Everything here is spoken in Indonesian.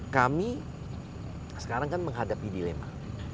kami sekarang kan menghadapi dilema